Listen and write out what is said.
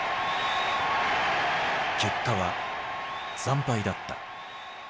結果は惨敗だった。